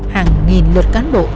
hàng nghìn luật cán bộ